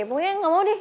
pokoknya gak mau deh